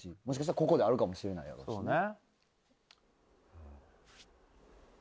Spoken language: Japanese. もしかしたらここであるかもしれないやろうし。